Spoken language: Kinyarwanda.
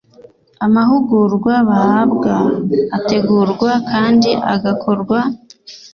Amahugurwa bahabwa ategurwa kandi agakorwa